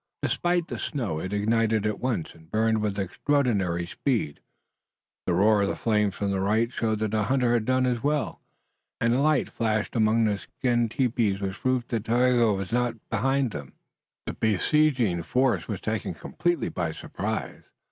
Despite the snow, it ignited at once and burned with extraordinary speed. The roar of flames from the right showed that the hunter had done as well, and a light flash among the skin tepees was proof that Tayoga was not behind them. The besieging force was taken completely by surprise.